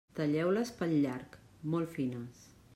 Talleu-les pel llarg, molt fines.